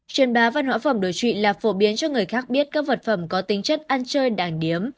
truyền bá văn hóa phẩm đối trụy là phổ biến cho người khác biết các vật phẩm có tính chất ăn chơi đàng điếm